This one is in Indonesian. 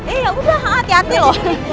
eh ya udah hati hati loh